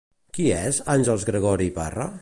Qui és Àngels Gregori i Parra?